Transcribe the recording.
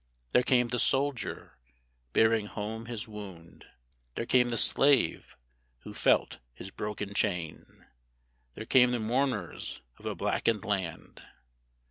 There came the soldier, bearing home his wound; There came the slave, who felt his broken chain; There came the mourners of a blacken'd Land.